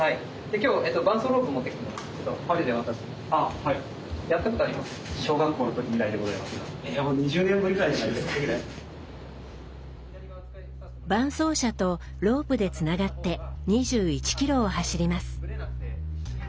今日伴走者とロープでつながって２１ｋｍを走ります。